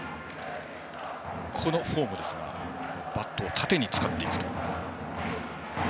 このフォームバットを縦に使っていく。